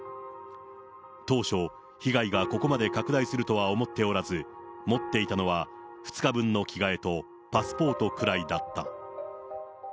当初、被害がここまで拡大するとは思っておらず、持っていたのは２日分の着替えとパスポートくらいだった。